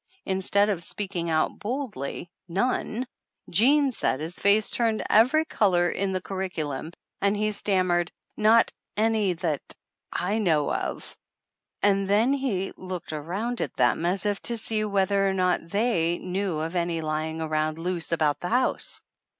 in stead of speaking out boldly, "None !" Jean said his face turned every color in the curriculum and he stammered, "Not any that 7 know of !" And then he looked around at them as if to see whether or not they knew of any lying around loose about the house.